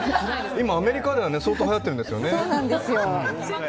今、アメリカでは相当はやっているんですよね。